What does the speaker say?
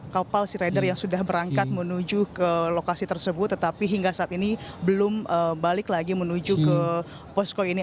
kapal sea rider yang sudah berangkat menuju ke lokasi tersebut tetapi hingga saat ini belum balik lagi menuju ke posko ini